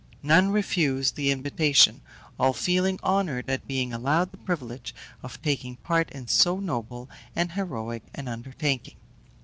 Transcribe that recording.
None refused the invitation, all feeling honoured at being allowed the privilege of taking part in so noble and heroic an undertaking.